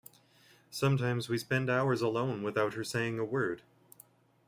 Sometimes we spend hours alone without her saying a word.